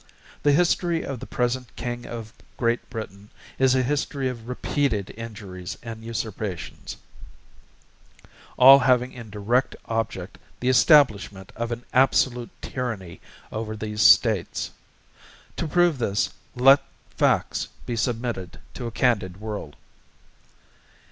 The history of the present King of Great Britain is a history of repeated injuries and usurpations, all having in direct object the establishment of an absolute Tyranny over these States. To prove this, let Facts be submitted to a candid world.